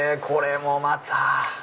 これもまた。